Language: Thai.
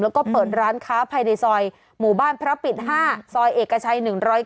แล้วก็เปิดร้านค้าภายในซอยหมู่บ้านพระปิด๕ซอยเอกชัย๑๐๙